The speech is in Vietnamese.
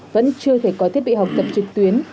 vẫn chưa thể có thiết bị học tập trực tuyến